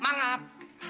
bukan bukan bukan